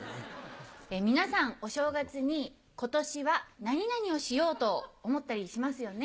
皆さんお正月に今年は何々をしようと思ったりしますよね。